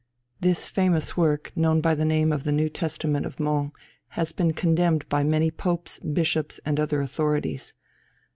This famous work, known by the name of the New Testament of Mons, has been condemned by many popes, bishops, and other authorities.